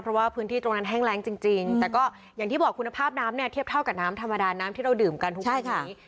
เพราะว่าพื้นที่ตรงนั้นแห้งแรงจริงแต่ก็อย่างที่บอกคุณภาพน้ำเนี่ยเทียบเท่ากับน้ำธรรมดาน้ำที่เราดื่มกันทุกวันนี้